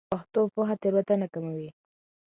پښتو پوهه تېروتنه کموي.